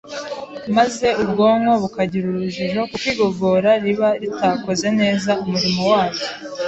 maze ubwonko bukagira urujijo kuko igogora riba ritakoze neza umurimo waryo.”